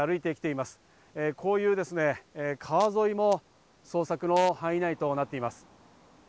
こういう川沿いも捜索の範囲内となっています。